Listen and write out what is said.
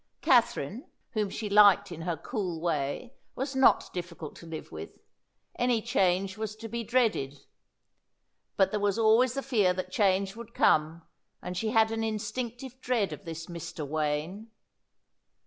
Katherine, whom she liked in her cool way, was not difficult to live with; any change was to be dreaded. But there was always the fear that change would come, and she had an instinctive dread of this Mr. Wayne.